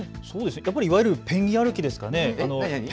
いわゆるペンギン歩きですかね。